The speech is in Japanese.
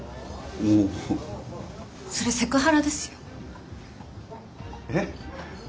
おお。それセクハラですよ。え？